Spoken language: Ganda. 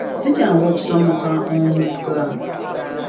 Si kyangu okusomoka omugga.